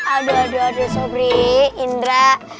aduh aduh aduh sobri indra